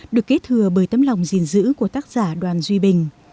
được kế thừa bởi tấm lòng gìn giữ của tác giả đoàn duy bình